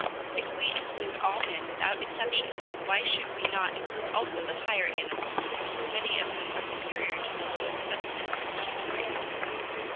If we include all men without exception, why should we not include also the higher animals, many of whom are superior to the lowest specimens of the human race.